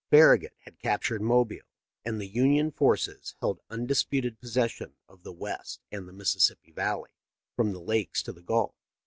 Farragut had captured Mobile, and the Union forces held undisputed possession of the West and the Mississippi Valley from the lakes to the gulf.